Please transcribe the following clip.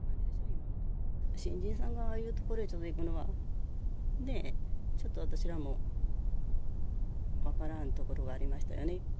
新人さんがああいうとこへちょっと行くのは、ねえ、ちょっと私らも分からんところがありましたよね。